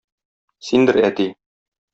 Синдер, әти.